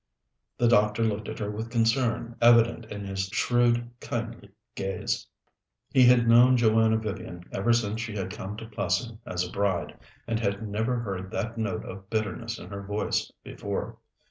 The doctor looked at her with concern evident in his shrewd, kindly gaze. He had known Joanna Vivian ever since she had come to Plessing as a bride, and had never heard that note of bitterness in her voice before.